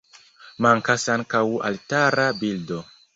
Mankas ankaŭ altara bildo.